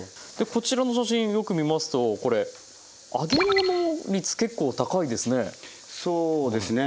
こちらの写真よく見ますとこれ揚げ物率結構高いですね。